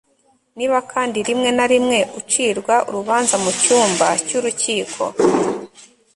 niba kandi rimwe na rimwe, ucirwa urubanza mu cyumba cy'urukiko